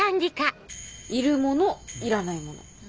いるものいらないもの。